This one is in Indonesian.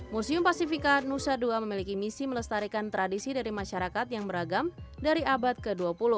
museum pasifika nusa dua memiliki misi melestarikan tradisi dari masyarakat yang beragam dari abad ke dua puluh